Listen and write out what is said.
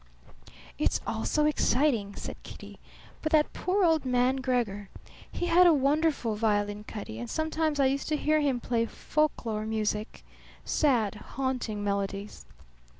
"It's all so exciting!" said Kitty. "But that poor old man Gregor! He had a wonderful violin, Cutty; and sometimes I used to hear him play folklore music sad, haunting melodies."